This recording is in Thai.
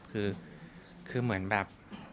คือเหมือนแบบ